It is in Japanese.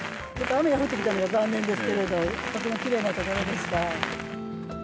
雨が降ってきたのが残念ですけれど、とてもきれいなところでした。